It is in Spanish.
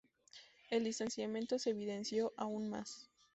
El distanciamiento se evidenció aún más.